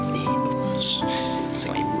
nih sikap ibu